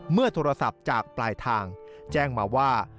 เมื่อโทรศัพท์จากปลายทางแจ้งมาว่า